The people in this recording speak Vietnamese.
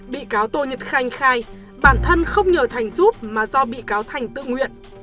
bị cáo tô nhật khanh khai bản thân không nhờ thành giúp mà do bị cáo thành tự nguyện